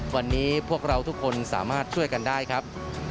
วันนี้พวกเราทุกคนสามารถช่วยกันได้ครับ